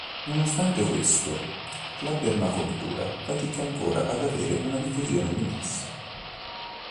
Nonostante questo la permacultura fatica ancora ad avere una diffusione di massa.